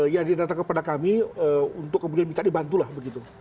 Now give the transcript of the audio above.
ya dia datang kepada kami untuk kemudian minta dibantu lah begitu